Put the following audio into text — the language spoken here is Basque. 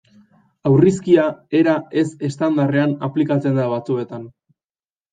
Aurrizkia era ez-estandarrean aplikatzen da batzuetan.